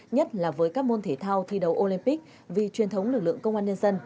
nhất là với các môn thể thao thi đấu olympic vì truyền thống lực lượng công an nhân dân